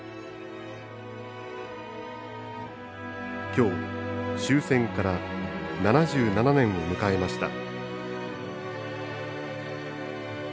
今日、終戦から７７年を迎えました。